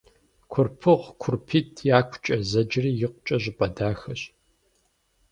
Курпыгъу «КурпитӀ якукӀэ» зэджэри икъукӀэ щӀыпӀэ дахэщ.